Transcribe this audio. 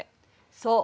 そう。